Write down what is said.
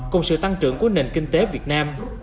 cùng sự tăng trưởng của nền kinh tế việt nam